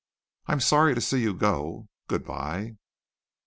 I'm sorry to see you go. Good bye."